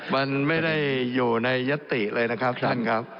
มันไม่ได้อยู่ในยัตติเลยนะครับท่านครับ